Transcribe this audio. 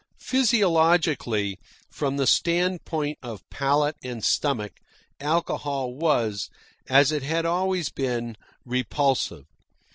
Physiologically, from the standpoint of palate and stomach, alcohol was, as it had always been, repulsive.